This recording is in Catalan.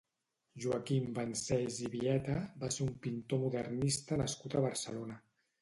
Joaquim Vancells i Vieta va ser un pintor modernista nascut a Barcelona.